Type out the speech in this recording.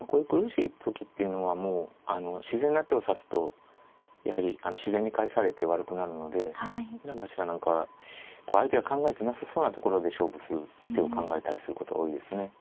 まあこういう苦しい時っていうのはもう自然な手を指すとやはり自然に返されて悪くなるので稲葉八段なんかは相手が考えてなさそうなところで勝負する手を考えたりすることが多いですね。